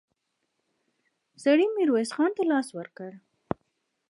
سړي ميرويس خان ته لاس ورکړ.